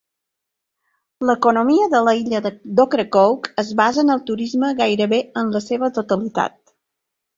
L'economia de la illa d'Ocracoke es basa en el turisme gairebé en la seva totalitat.